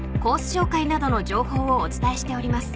紹介などの情報をお伝えしております。